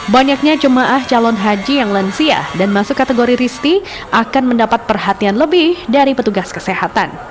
banyaknya jemaah calon haji yang lansia dan masuk kategori risti akan mendapat perhatian lebih dari petugas kesehatan